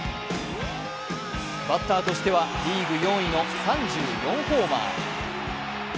バッターとしてはリーグ４位の３４ホーマー。